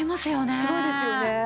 すごいですよね。